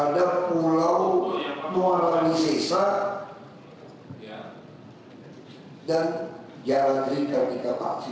ada pulau muarani sesa dan jalan jerika di kapaksi